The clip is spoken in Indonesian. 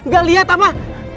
gak liat pak